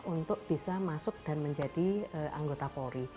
untuk bisa masuk dan menjadi anggota polri